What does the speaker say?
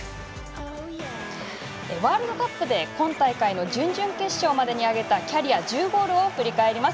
ワールドカップで今大会の準々決勝まで上げたキャリア１０ゴールを振り返ります。